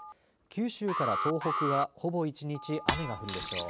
九州から東北はほぼ一日、雨が降るでしょう。